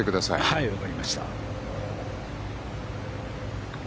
はい、分かりました。